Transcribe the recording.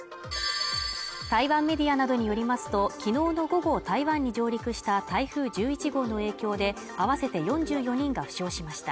台湾メディアなどによりますときのうの午後台湾に上陸した台風１１号の影響で合わせて４４人が負傷しました